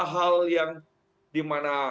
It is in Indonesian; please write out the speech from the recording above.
hal yang dimana